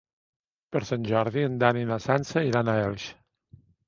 Per Sant Jordi en Dan i na Sança iran a Elx.